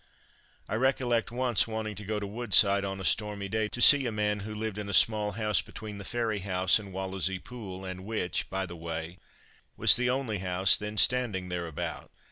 I recollect once wanting to go to Woodside on a stormy day, to see a man who lived in a small house between the Ferry house and Wallasey Pool, and which, by the way, was the only house then standing thereabout.